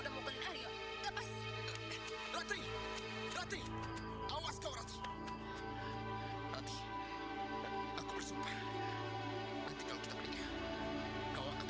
dia hanya ingin menunjukkan ego dia sama aku